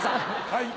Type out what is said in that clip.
はい。